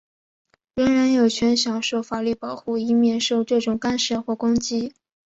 人人有权享受法律保护,以免受这种干涉或攻击。